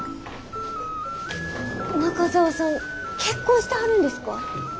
中澤さん結婚してはるんですか？